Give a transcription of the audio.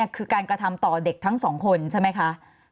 คือการกระทำต่อเด็กทั้งสองคนใช่ไหมคะ